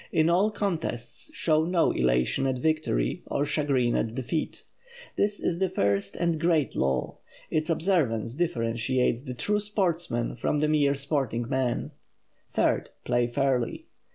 In all contests, show no elation at victory, or chagrin at defeat. This is the first and great law. Its observance differentiates the true sportsman from the mere sporting man. Third; play fairly.